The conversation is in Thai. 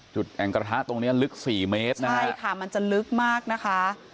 แอ่งกระทะตรงนี้ลึกสี่เมตรนะใช่ค่ะมันจะลึกมากนะคะ